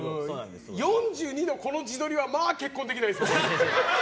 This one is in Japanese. ４２のこの自撮りは結婚できないですね。